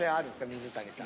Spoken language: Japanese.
水谷さん。